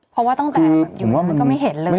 เพราะว่าตั้งแต่อยู่ห้องมันก็ไม่เห็นเลย